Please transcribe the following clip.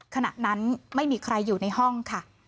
ขณะนั้นไม่มีใครอยู่ในห้องค่ะ